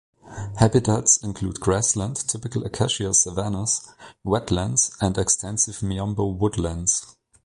Habitats include grassland, typical Acacia savanna, wetlands and extensive Miombo woodlands.